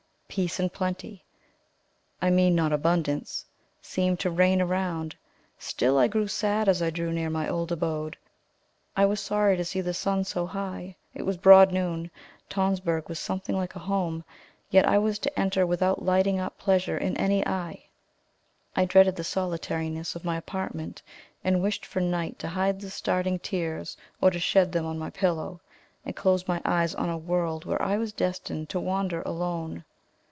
Peace and plenty I mean not abundance seemed to reign around still I grew sad as I drew near my old abode. I was sorry to see the sun so high; it was broad noon. Tonsberg was something like a home yet I was to enter without lighting up pleasure in any eye. I dreaded the solitariness of my apartment, and wished for night to hide the starting tears, or to shed them on my pillow, and close my eyes on a world where I was destined to wander alone.